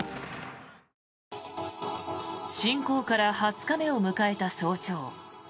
侵攻から２０日目を迎えた早朝。